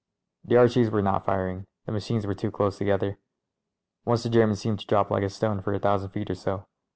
The Archies were not firing — the machines were too close together. Once the German seemed to drop like a stone for a thousand feet or so.